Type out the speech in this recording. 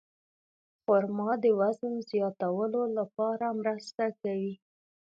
خرما د وزن زیاتولو لپاره مرسته کوي.